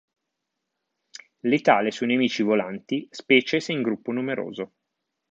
Letale sui nemici volanti, specie se in gruppo numeroso.